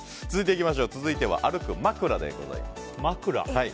続いては歩く枕でございます。